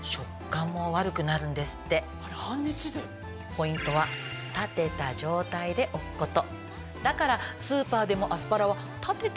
ポイントは立てた状態で置くこと。